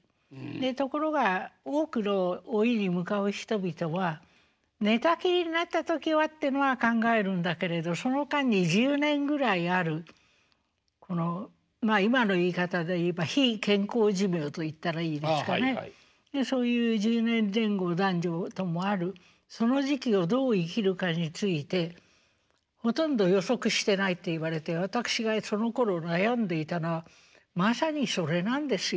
ところが多くの老いに向かう人々は寝たきりになった時はってのは考えるんだけれどその間に１０年ぐらいあるこの今の言い方で言えば非健康寿命といったらいいですかねそういう１０年前後男女ともあるその時期をどう生きるかについてほとんど予測してないって言われて私がそのころ悩んでいたのはまさにそれなんですよ。